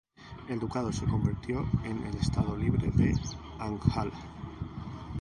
El ducado se convirtió en el Estado Libre de Anhalt.